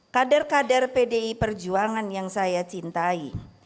kader kader pdi perjuangan yang saya cintai